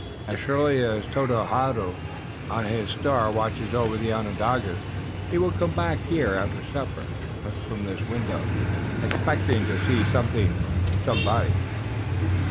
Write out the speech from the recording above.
"As surely as Tododaho on his star watches over the Onondagas, he will come back here after supper and look from this window, expecting to see something or somebody."